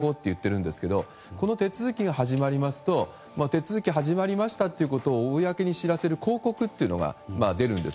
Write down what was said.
これ、振り込め詐欺救済法と言っているんですけどこの手続きが始まりますと手続きが始まりましたという公に知らせる公告というのが出るんです。